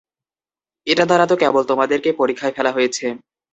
এটা দ্বারা তো কেবল তোমাদেরকে পরীক্ষায় ফেলা হয়েছে।